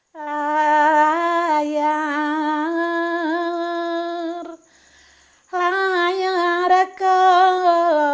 layar kursi hingga berakhir